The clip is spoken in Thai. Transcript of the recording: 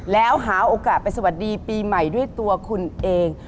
แล้วหาโอกาสไปสวัสดีปีใหม่ด้วยตัวคุณเอง